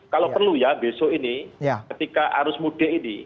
kalau perlu ya besok ini ketika arus mudik ini